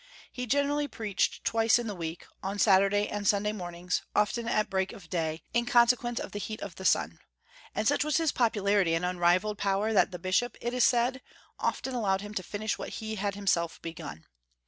He generally preached twice in the week, on Saturday and Sunday mornings, often at break of day, in consequence of the heat of the sun. And such was his popularity and unrivalled power, that the bishop, it is said, often allowed him to finish what he had himself begun.